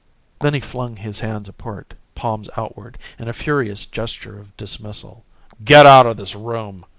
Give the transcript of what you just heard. Then he flung his hands apart, palms outward, in a furious gesture of dismissal. "Get out o' this room!